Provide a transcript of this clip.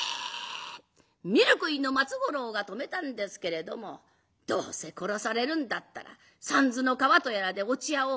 みるくいの松五郎が止めたんですけれども「どうせ殺されるんだったらさんずの川とやらで落ち合おう」。